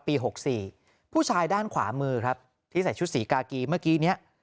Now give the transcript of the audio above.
๖๔ผู้ชายด้านขวามือครับที่ใส่ชุดสีกากีเมื่อกี้นี้